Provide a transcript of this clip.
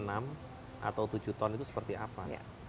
atau tujuh ton itu seperti apa